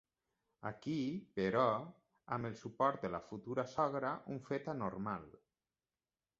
Aquí, però, amb el suport de la futura sogra, un fet anòmal.